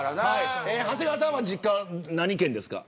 長谷川さんは実家何県ですか。